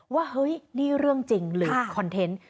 ว่าเฮ้ยนี่เรื่องจริงหรือคอนเทนต์